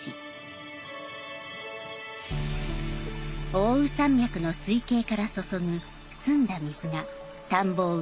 奥羽山脈の水系から注ぐ澄んだ水が田んぼを潤します。